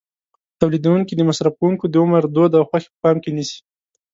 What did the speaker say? تولیدوونکي د مصرف کوونکو د عمر، دود او خوښې په پام کې نیسي.